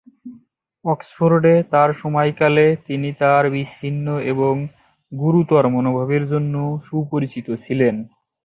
অক্সফোর্ডে তার সময়কালে, তিনি তার বিচ্ছিন্ন এবং গুরুতর মনোভাবের জন্য সুপরিচিত ছিলেন।